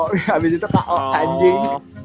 habis itu k o anjing